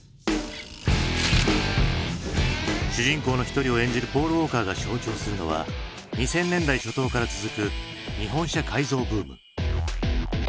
主人公の一人を演じるポール・ウォーカーが象徴するのは２０００年代初頭から続く日本車改造ブーム。